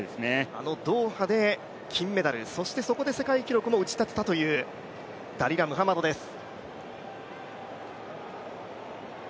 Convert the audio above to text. あのドーハで金メダル、そこで世界記録も打ち立てたというダリラ・ムハマドです。